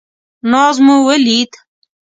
ناز مو ولید.